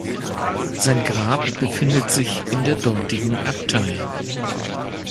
Sein Grab befindet sich in der dortigen Abtei.